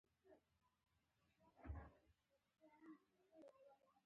څه وایي؟ افسر څه وایي؟ مړه دې وي افسران.